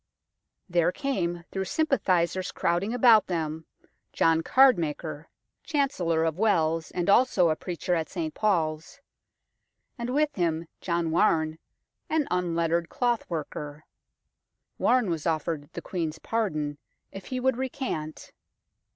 There came, through sympathizers crowding about them, John Cardmaker, Chancellor of 182 UNKNOWN LONDON Wells and also a preacher at St Paul's ; and with him John Warne, an unlettered cloth worker. Warne was offered the Queen's pardon if he would recant.